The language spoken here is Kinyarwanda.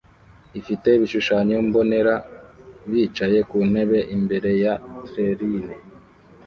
ifite ibishushanyo mbonera bicaye ku ntebe imbere ya treline